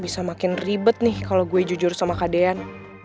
bisa makin ribet nih kalau gue jujur sama kak dean